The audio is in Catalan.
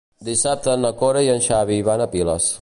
Dissabte na Cora i en Xavi van a Piles.